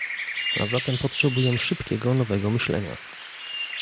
A zatem potrzebujemy szybkiego nowego myślenia